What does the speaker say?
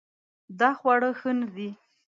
دا خواړه ښه نه دي